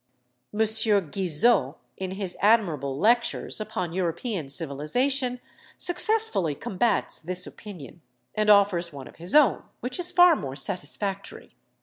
M. Guizot, in his admirable lectures upon European civilisation, successfully combats this opinion, and offers one of his own, which is far more satisfactory.